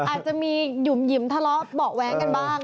อาจจะมีหยุ่มหิมทะเลาะเบาะแว้งกันบ้าง